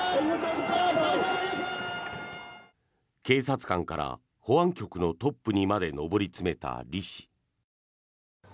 警察官から保安局のトップにまで上り詰めたリ氏。